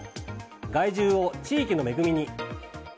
害獣を地域の恵みに。